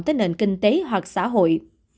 tới nền kinh tế hoặc xã hội